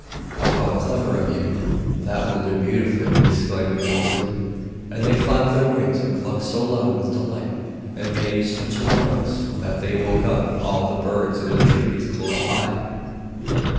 'Oh, how clever of you! That will do beautifully,' exclaimed the other two. And they flapped their wings and clucked so loud with delight, and made such a noise, that they woke up all the birds in the trees close by.